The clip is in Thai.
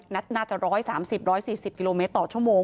น่าจะร้อยสามสิบร้อยสี่สิบกิโลเมตรต่อชั่วโมง